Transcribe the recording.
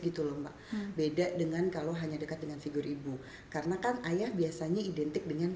gitu loh mbak beda dengan kalau hanya dekat dengan figur ibu karena kan ayah biasanya identik dengan